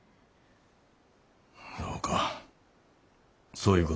そうか。